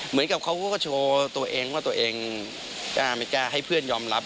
เหมือนกับเขาก็โชว์ตัวเองว่าตัวเองกล้าไม่กล้าให้เพื่อนยอมรับ